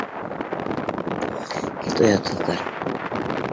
— Кит, оятһыҙҙар!